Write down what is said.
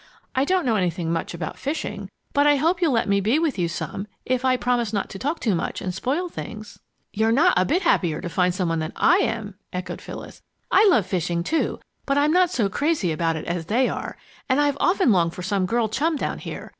I don't know anything much about fishing, but I hope you'll let me be with you some, if I promise not to talk too much and spoil things!" "You're not a bit happier to find some one than I am!" echoed Phyllis. "I love fishing, too, but I'm not so crazy about it as they are, and I've often longed for some girl chum down here.